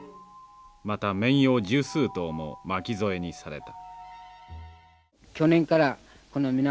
また綿羊十数頭も巻き添えにされた。